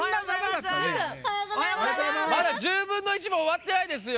まだ１０ぶんの１もおわってないですよ。